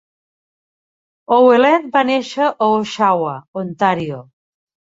Ouellette va néixer a Oshawa, Ontario.